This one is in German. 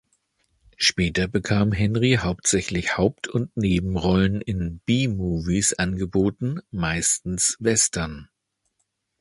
Später bekam Henry hauptsächlich Haupt- und Nebenrollen in B-Movies angeboten, meistens Western.